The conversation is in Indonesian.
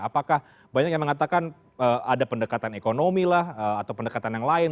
apakah banyak yang mengatakan ada pendekatan ekonomi lah atau pendekatan yang lain